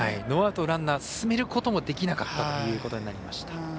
ノーアウトのランナー進めることもできなかったということになりました。